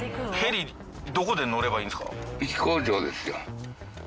ヘリどこで乗ればいいんですか？